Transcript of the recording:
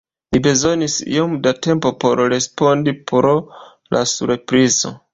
Mi bezonis iom da tempo por respondi pro la surprizo.